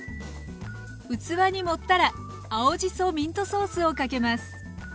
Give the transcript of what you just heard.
器に盛ったら青じそミントソースをかけます。